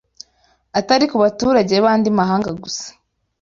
atari ku baturage b’andi mahanga gusa